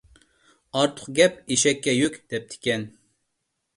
«ئارتۇق گەپ ئېشەككە يۈك» دەپتىكەن.